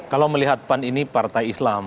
kalau melihat pan ini partai islam